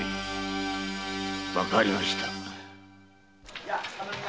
わかりました。